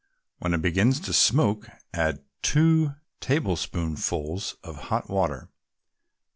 When it begins to smoke, add two tablespoonfuls of hot water.